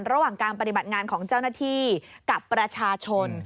ระหว่างการปฏิบัติงานของเจ้าหน้าที่กับประชาชน